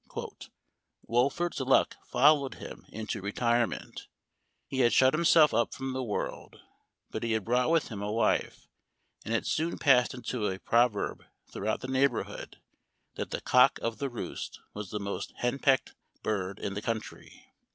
" Wolfert's luck followed him into retirement, He had shut himself up from the world, but he had brought with him a wife, and it soon passed into a proverb throughout the neighborhood that the cock of ' The Roost ' was the most hen pecked bird in the country.